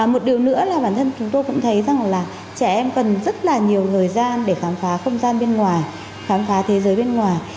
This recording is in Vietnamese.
một điều nữa là bản thân chúng tôi cũng thấy rằng là trẻ em cần rất là nhiều thời gian để khám phá không gian bên ngoài khám phá thế giới bên ngoài